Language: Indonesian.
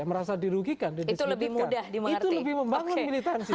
merasa dirugikan itu lebih membangun militansi